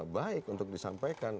baik untuk disampaikan